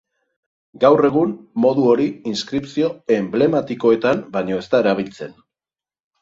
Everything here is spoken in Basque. Gaur egun modu hori inskripzio enblematikoetan baino ez da erabiltzen.